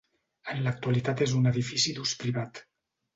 En l'actualitat és un edifici d'ús privat.